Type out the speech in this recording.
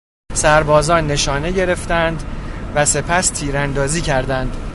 سربازان نشانه گرفتند و سپس تیراندازی کردند.